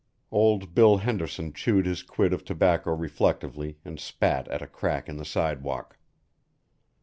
Old Bill Henderson chewed his quid of tobacco reflectively and spat at a crack in the sidewalk.